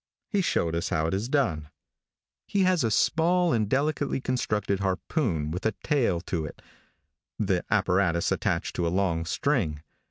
He showed us how it is done. He has a small and delicately constructed harpoon with a tail to it the apparatus attached to a long string.